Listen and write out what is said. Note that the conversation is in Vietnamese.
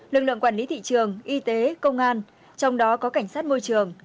lực lượng quản lý thị trường y tế công an trong đó có cảnh sát môi trường